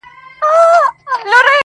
دا به ولاړ وي د زمان به توپانونه راځي-